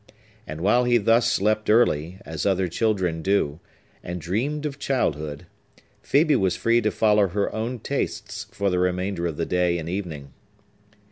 And while he thus slept early, as other children do, and dreamed of childhood, Phœbe was free to follow her own tastes for the remainder of the day and evening.